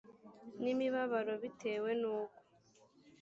n imibabaro bitewe n uko